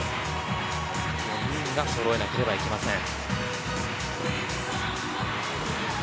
５人がそろえなければいけません。